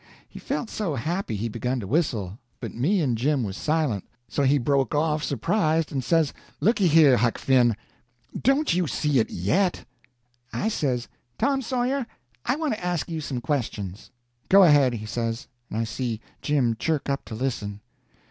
He felt so happy he begun to whistle. But me and Jim was silent, so he broke off surprised, and says: "Looky here, Huck Finn, don't you see it yet?" I says: "Tom Sawyer, I want to ask you some questions." "Go ahead," he says, and I see Jim chirk up to listen.